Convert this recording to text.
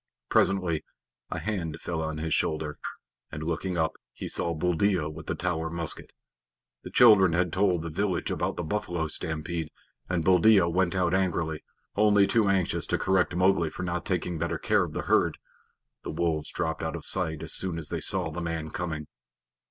Presently a hand fell on his shoulder, and looking up he saw Buldeo with the Tower musket. The children had told the village about the buffalo stampede, and Buldeo went out angrily, only too anxious to correct Mowgli for not taking better care of the herd. The wolves dropped out of sight as soon as they saw the man coming.